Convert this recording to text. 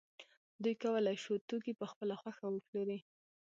دوی کولای شو توکي په خپله خوښه وپلوري